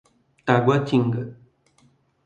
Taguatinga